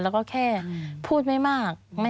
มันจอดอย่างง่ายอย่างง่าย